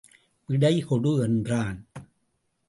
விடை கொடு என்றான்.